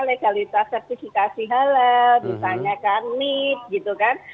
legalitas sertifikasi halal misalnya kan nis gitu kan